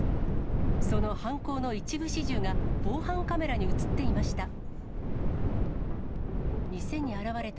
その犯行の一部始終が、防犯カメラに写っていました。